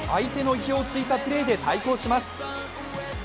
相手の意表を突いたプレーで対抗します。